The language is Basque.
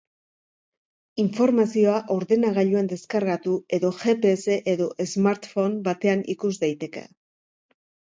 Informazioa ordenagailuan deskargatu edo gps edo smartphone batean ikus daiteke.